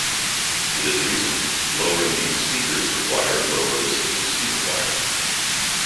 For this reason, lower impedance speakers require lower resistance speaker wire.